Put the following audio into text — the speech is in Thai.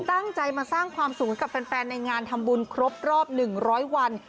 ตั้งใจมาสร้างความสุขให้กับแฟนในงานทำบุญครบรอบ๑๐๐วัน